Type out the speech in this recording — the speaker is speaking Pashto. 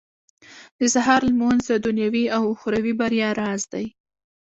• د سهار لمونځ د دنيوي او اخروي بريا راز دی.